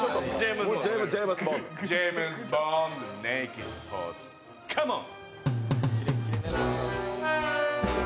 ジェームズ・ボンド、ネイキッド・ポーズ、カモン。